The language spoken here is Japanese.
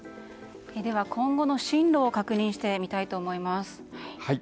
今後の進路を確認してみたいと思います。